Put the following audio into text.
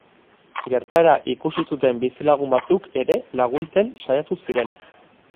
Gertaera ikusi zuten bizilagun batzuk ere laguntzen saiatu ziren.